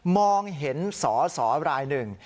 มองเห็นสอสอรายหนึ่ง